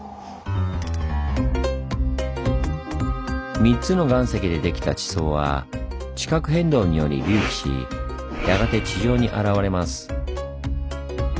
３つの岩石でできた地層は地殻変動により隆起しやがて地上に現れます。